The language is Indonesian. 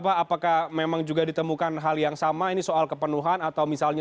apakah memang juga ditemukan hal yang sama ini soal kepenuhan atau misalnya